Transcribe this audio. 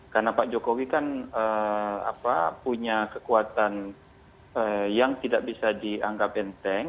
karena pak jokowi kan punya kekuatan yang tidak bisa dianggap enteng